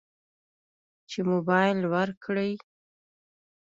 چې موبایل ورکړي.